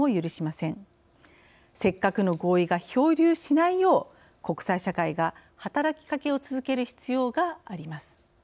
せっかくの合意が漂流しないよう国際社会が働きかけを続ける必要があります。